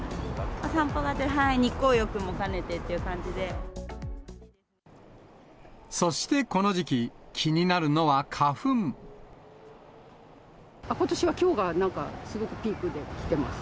散歩がてら、そしてこの時期、気になるのことしは、きょうがなんかすごくピークで来てます。